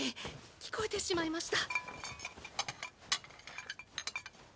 聞こえてしまいました。